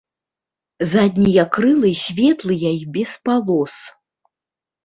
Заднія крылы светлыя і без палос.